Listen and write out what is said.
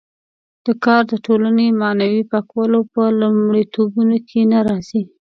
دا کار د ټولنې معنوي پاکولو په لومړیتوبونو کې نه راځي.